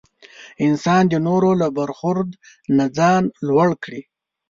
انسان د نورو له برخورد نه ځان لوړ کړي.